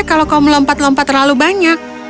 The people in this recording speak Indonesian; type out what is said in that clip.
kalau kau melompat lompat terlalu banyak